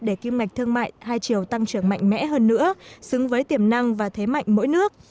để kim ngạch thương mại hai chiều tăng trưởng mạnh mẽ hơn nữa xứng với tiềm năng và thế mạnh mỗi nước